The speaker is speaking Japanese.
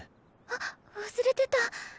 あっ忘れてた。